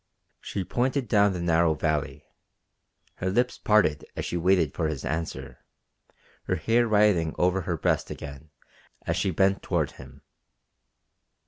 She pointed down the narrow valley, her lips parted as she waited for his answer, her hair rioting over her breast again as she bent toward him.